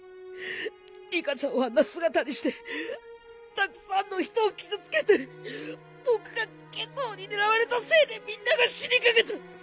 里香ちゃんをあんな姿にしてたくさんの人を傷つけて僕が夏油に狙われたせいでみんなが死にかけた。